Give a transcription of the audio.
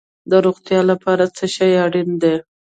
د روغتیا لپاره څه شی اړین دي؟